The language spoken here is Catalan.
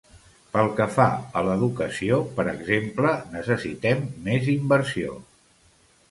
Pel que fa a l’educació, per exemple, necessitem més inversió.